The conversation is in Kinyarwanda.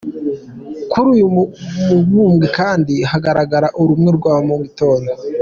Kuri uyu mubumbe kandi hagaragara urume rwa mu gitondo.